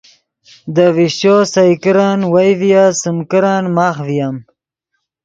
دے ڤشچو سئے کرن وئے ڤییت سیم کرن ماخ ڤییم